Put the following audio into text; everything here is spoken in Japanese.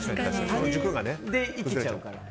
他人で生きちゃうから。